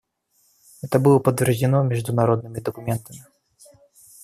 Это было подтверждено международными документами.